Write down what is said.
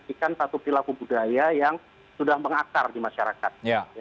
menjadikan satu perilaku budaya yang sudah mengakar di masyarakat